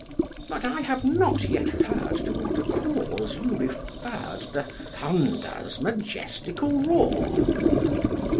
But I have not yet heard to what cause you referred the thunder's majestical roar. SOCR.